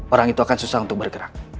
orang itu akan susah untuk bergerak